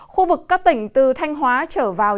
khu vực các tỉnh từ thanh hóa trở vào